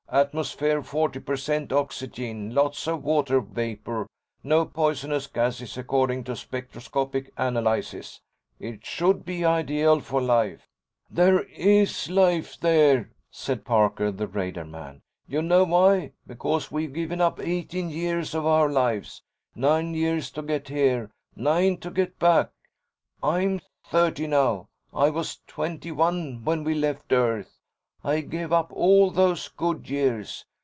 "Atmosphere forty per cent oxygen, lots of water vapor. No poisonous gases, according to spectroscopic analyses. It should be ideal for life." "There is life there," said Parker, the radarman. "You know why? Because we've given up eighteen years of our lives. Nine years to get here, nine to get back. I'm thirty now. I was twenty one when we left Earth. I gave up all those good years.